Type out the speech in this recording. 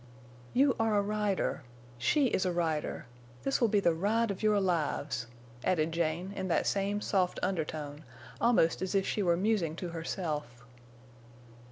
"You are a rider. She is a rider. This will be the ride of your lives," added Jane, in that same soft undertone, almost as if she were musing to herself.